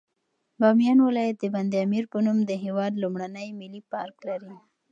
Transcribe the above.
بامیان ولایت د بند امیر په نوم د هېواد لومړنی ملي پارک لري.